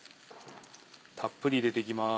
たっぷり入れていきます。